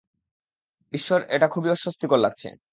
ঈশ্বর, এটা খুবি অসস্তিকর লাগছে।